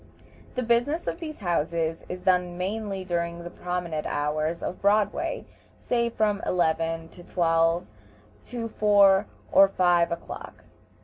The business of these houses is done mainly during the promenade hours of Broadway, say from eleven or twelve to four or five o'clock.